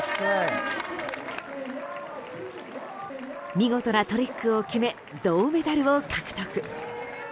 見事なトリックを決め銅メダルを獲得。